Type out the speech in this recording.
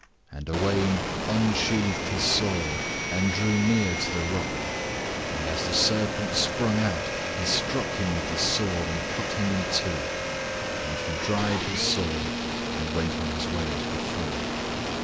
And Owain unsheathed his sword, and drew near to the rock; and as the serpent sprung out he struck him with his sword and cut him in two. And he dried his sword, and went on his way as before.